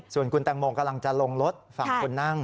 ส่วนคุณแตงโมกำลังจะลงรถฝั่งคนนั่ง